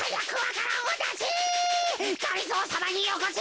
がりぞーさまによこせ！